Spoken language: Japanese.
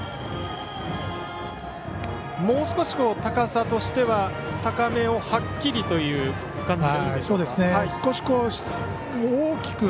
もう少し高さとしては高めをはっきりという感じでいいんでしょうか。